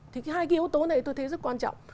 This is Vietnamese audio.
thì cái hai cái yếu tố này tôi thấy rất quan trọng